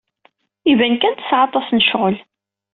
Iban kan tesɛa aṭas n ccɣel.